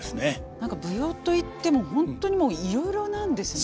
何か舞踊といっても本当にもういろいろなんですね。